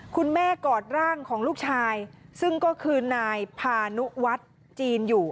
กอดร่างของลูกชายซึ่งก็คือนายพานุวัฒน์จีนอยู่